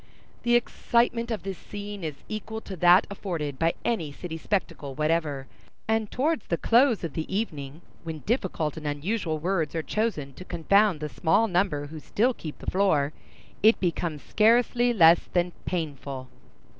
The excitement of this scene is equal to that afforded by any city spectacle whatever; and towards the close of the evening, when difficult and unusual words are chosen to confound the small number who still keep the floor, it becomes scarcely less than painful.